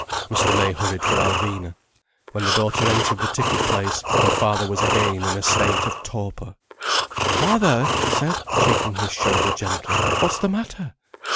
Mr. May hurried for Alvina. When the daughter entered the ticket place, her father was again in a state of torpor. "Father," she said, shaking his shoulder gently. "What's the matter."